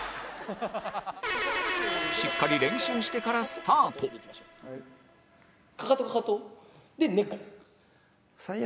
しっかり練習してからスタートかかとかかとでネコ。